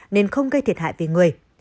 nên không gây thiệt hại về người